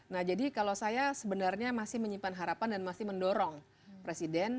nah jadi kalau saya sebenarnya masih menyimpan harapan dan masih mendorong presiden